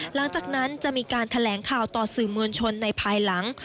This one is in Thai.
หลังจากนั้นจะมีการแถลงข่าวต่อสื่อมวลชนในภายหลัง